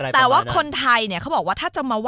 แต่ว่าคนไทยเนี่ยเขาบอกว่าถ้าจะมาว่า